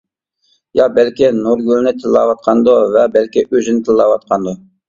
يا بەلكى نۇرگۈلنى تىللاۋاتقاندۇ، ۋە بەلكى ئۆزىنى تىللاۋاتقاندۇ.